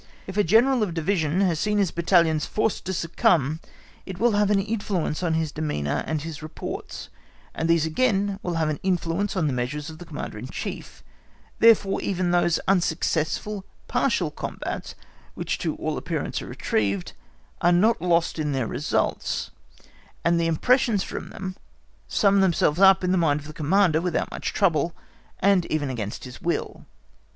If a General of Division has seen his battalions forced to succumb, it will have an influence on his demeanour and his reports, and these again will have an influence on the measures of the Commander in Chief; therefore even those unsuccessful partial combats which to all appearance are retrieved, are not lost in their results, and the impressions from them sum themselves up in the mind of the Commander without much trouble, and even against his will.